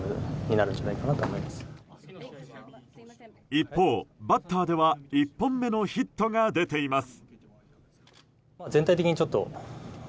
一方、バッターでは１本目のヒットが出ています。